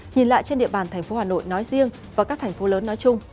nhìn lại trên địa bàn thành phố hà nội nói riêng và các thành phố lớn nói chung